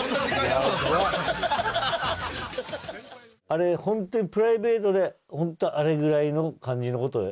あれ本当にプライベートで本当にあれぐらいの感じの事を。